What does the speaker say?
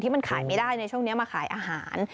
มันขายไม่ได้ในช่วงนี้มาขายอาหาร